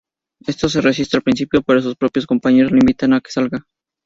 Este se resiste al principio, pero sus propios compañeros le invitan a que salga.